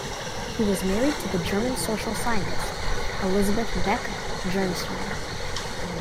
He was married to the German social scientist Elisabeth Beck-Gernsheim.